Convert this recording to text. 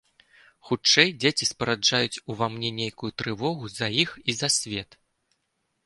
Хутчэй, дзеці спараджаюць у ва мне нейкую трывогу за іх і за свет.